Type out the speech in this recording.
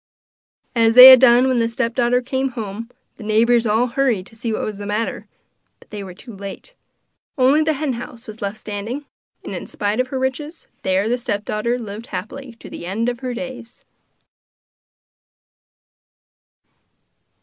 As they had done when the stepdaughter came home, the neighbours all hurried to see what was the matter; but they were too late. Only the hen house was left standing; and, in spite of her riches, there the stepdaughter lived happily to the end of her days.